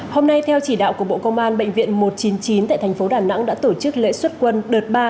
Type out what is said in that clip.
hôm nay theo chỉ đạo của bộ công an bệnh viện một trăm chín mươi chín tại thành phố đà nẵng đã tổ chức lễ xuất quân đợt ba